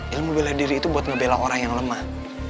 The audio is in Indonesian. ilmu bela diri itu buat ngebela orang yang lemah